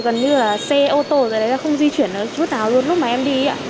gần như là xe ô tô rồi đấy là không di chuyển nó chút nào luôn lúc mà em đi ạ